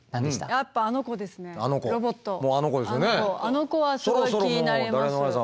あの子はすごい気になります。